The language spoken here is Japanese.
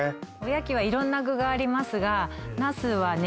やきは色んな具がありますがナスはね